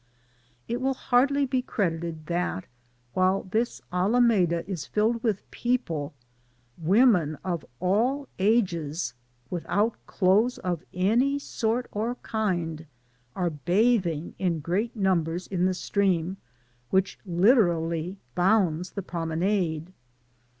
It will hardly be credited that, while this Ala meda is crowded with people, women of all ages, without clothes of any sort or kind, are bathing in great numbers in the stream which literally bounds the promenade.